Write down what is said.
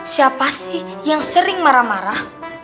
siapa sih yang sering marah marah